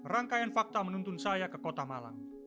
rangkaian fakta menuntun saya ke kota malang